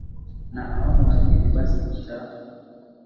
na awamu ya pili basi itaa